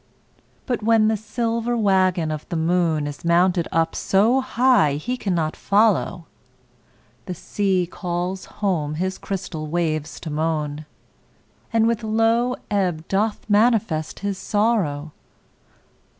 But when the silver waggon of the moon Is mounted up so high he cannot follow, The sea calls home his crystal waves to moan, And with low ebb doth manifest his sorrow.